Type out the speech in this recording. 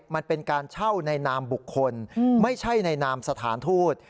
มันเป็นการเช่าในนามบุคคลไม่ใช่ในนามสถานทูต